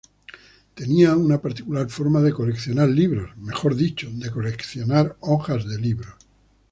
Tenía una particular forma de coleccionar libros, mejor dicho, de coleccionar hojas de libros.